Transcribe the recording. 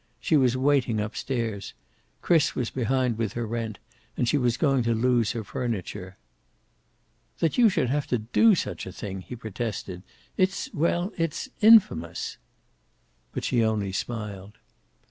She was waiting, up stairs. Chris was behind with her rent, and she was going to lose her furniture." "That you should have to do such a thing!" he protested. "It's well, it's infamous." But she only smiled.